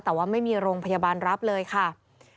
แต่ว่าไม่มีโรงพยาบาลรับเลยค่ะ